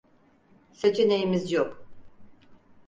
Seçeneğimiz yok.